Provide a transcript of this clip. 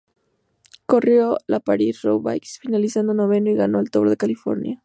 Corrió la París-Roubaix finalizando noveno y ganó el Tour de California.